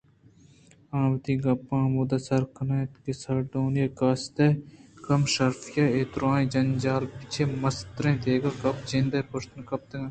آ وتی گپ ءَہمدا آسر کنت کہ سارٹونی ءِ قاصد ءِ کم شرفی اےدُرٛاہیں جنجالاں چہ مستریں دگہ گپ ءِ جند پشت نہ کپتگ اَت